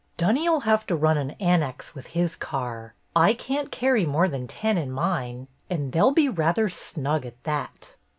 " Dunny 'll have to run an annex with his car. I can't carry more than ten in mine, and they 'll be rather snug at that."